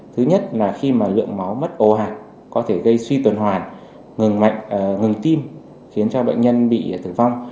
thứ nhất là khi mà lượng máu mất ồ ạt có thể gây suy tuần hoàn ngừng tim khiến cho bệnh nhân bị tử vong